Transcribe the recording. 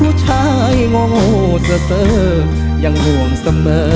ผู้ชายโง่โง่เส้นยังห่วงเส้น